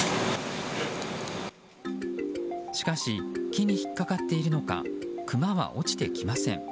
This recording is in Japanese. しかし木に引っ掛かっているのかクマは落ちてきません。